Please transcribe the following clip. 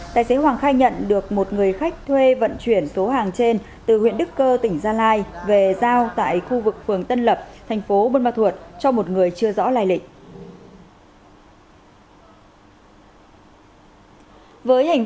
tài xế hoàng khai nhận được một người khách thuê vận chuyển số hàng trên từ huyện đức cơ tỉnh gia lai về giao tại khu vực phường tân lập thành phố buôn ma thuột cho một người chưa rõ lai lịch